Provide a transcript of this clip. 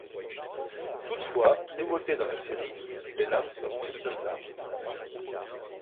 Toutefois, nouveauté dans la série, les lames seront les seules armes.